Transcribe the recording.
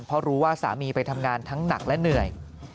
เพราะรู้ว่าสามีไปทำงานทั้งหนักและเหนื่อย